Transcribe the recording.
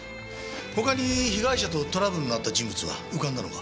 他に被害者とトラブルのあった人物は浮かんだのか？